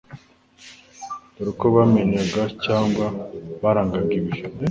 Dore uko bamenyaga cyangwa barangaga ibihe.